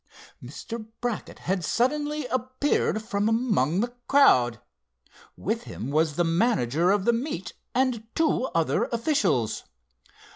Mr. Brackett had suddenly appeared from among the crowd. With him was the manager of the meet, and two other officials.